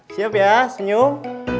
siap ya senyum